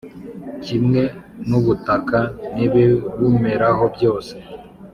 kimwe n’ubutaka n’ibibumeraho byose.